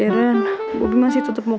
gue harus cepet cepet kasih tau darren